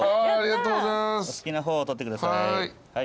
お好きな方を取ってください。